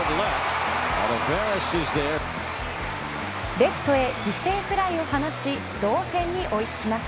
レフトへ犠牲フライを放ち同点に追い付きます。